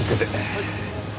はい。